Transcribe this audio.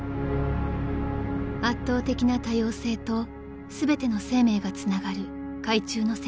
［圧倒的な多様性と全ての生命がつながる海中の世界］